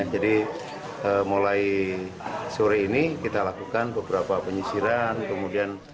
jadi mulai sore ini kita lakukan beberapa penyisiran